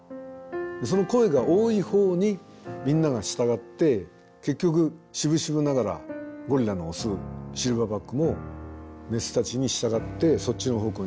その声が多いほうにみんなが従って結局しぶしぶながらゴリラのオスシルバーバックもメスたちに従ってそっちの方向に行くようになる。